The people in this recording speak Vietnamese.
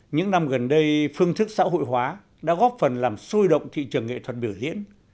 những năm gần đây phương thức xã hội hóa đã góp phần làm sôi động thị trường nghệ thuật biểu diễn